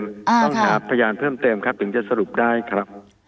ต้องหาพยานเพิ่มเติมครับถึงจะสรุปได้ครับ